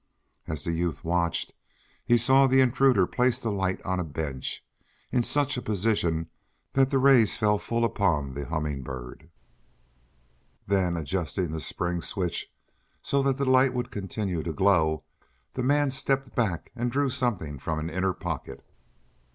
As the youth watched, he saw the intruder place the light on a bench, in such a position that the rays fell full upon the Humming Bird. Then, adjusting the spring switch so that the light would continue to glow, the man stepped back and drew something from an inner pocket.